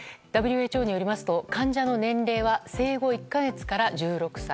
ＷＨＯによりますと患者の年齢は生後１か月から１６歳。